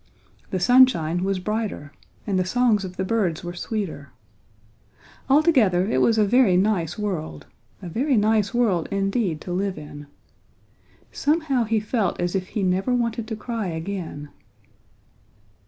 The sunshine was brighter and the songs of the birds were sweeter. Altogether it was a very nice world, a very nice world indeed to live in. Somehow he felt as if he never wanted to cry again.